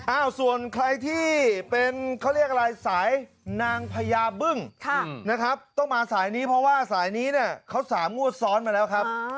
ส่วนใครที่เป็นเขาเรียกอะไรสายนางพญาบึ้งนะครับต้องมาสายนี้เพราะว่าสายนี้เนี่ยเขา๓งวดซ้อนมาแล้วครับ